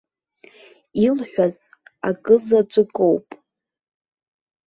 Илҳәаз акызаҵәыкоуп.